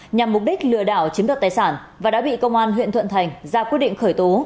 nhằm mục đích lừa đảo chiếm đoạt tài sản và đã bị công an huyện thuận thành ra quyết định khởi tố